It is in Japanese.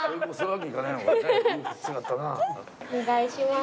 お願いします。